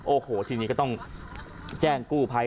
โอ้โหทีนี้ก็ต้องแจ้งกู้ภัย